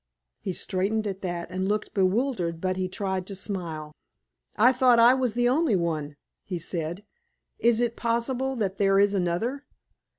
He straightened at that and looked bewildered, but he tried to smile. "I thought I was the only one," he said. "Is it possible that there is another?"